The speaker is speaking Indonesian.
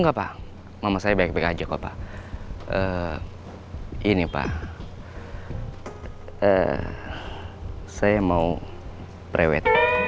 halo pak maaf boleh saya izin pagi ini pak mungkin sampe jam dua siang nanti